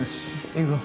行くぞ。